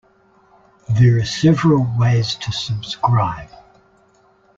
There are several ways to subscribe.